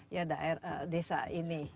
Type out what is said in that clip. ya daerah desa ini